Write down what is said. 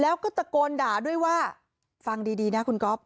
แล้วก็ตะโกนด่าด้วยว่าฟังดีนะคุณก๊อฟ